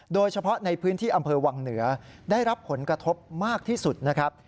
โดยเฉพาะในพื้นที่อำเภอวังเหนือได้รับผลกระทบมากที่สุดนะครับ